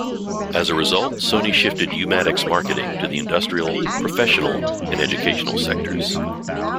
As a result, Sony shifted U-Matic's marketing to the industrial, professional, and educational sectors.